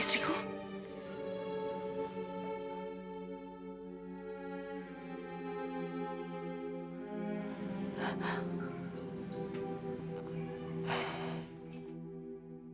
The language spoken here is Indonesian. satu sekian dari tuhan